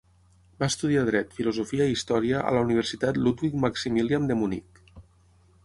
Va estudiar dret, filosofia i història a la Universitat Ludwig-Maximilian de Munic.